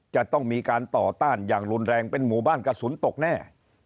จะต้องมีการต่อต้านอย่างรุนแรงเป็นหมู่บ้านกระสุนตกแน่